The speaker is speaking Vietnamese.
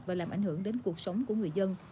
và làm ảnh hưởng đến cuộc sống của người dân